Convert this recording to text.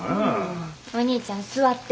お兄ちゃん座って。